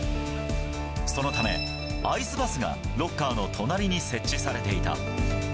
そのため、アイスバスがロッカーの隣に設置されていた。